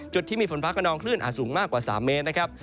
จุดที่มีฝนฟ้ากระนองคลื่นอาจสูงมากกว่า๓เมตรนะครับ